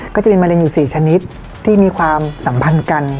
ก็จะเป็นมะเร็งอยู่๔ชนิดที่มีความสัมพันธ์กัน